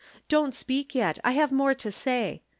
Don't speak yet ; I have more to say.